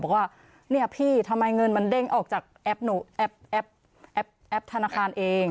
ปะว่าเนี่ยพี่ทำไมเงินมันเด้งออกจากแอพธนาคารเอง